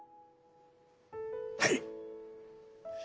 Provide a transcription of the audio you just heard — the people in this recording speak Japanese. はい。